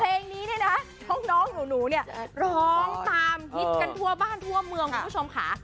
เพลงนี้เนี่ยนะน้องหนูเนี่ยร้องตามฮิตกันทั่วบ้านทั่วเมืองคุณผู้ชมค่ะ